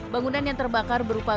bangunan yang terbakar berupa